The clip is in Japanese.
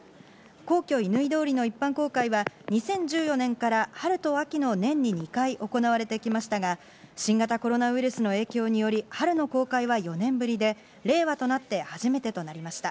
皇居・乾通りの一般公開は、２０１４年から春と秋の年に２回行われてきましたが、新型コロナウイルスの影響により春の公開は４年ぶりで、令和となって初めてとなりました。